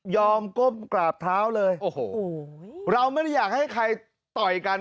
ก้มกราบเท้าเลยโอ้โหเราไม่ได้อยากให้ใครต่อยกัน